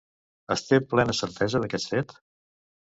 Es té plena certesa d'aquest fet?